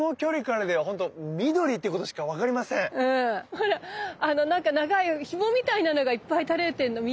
ほらなんか長いひもみたいなのがいっぱい垂れてるの見えない？